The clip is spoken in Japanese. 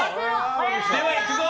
では、いくぞ！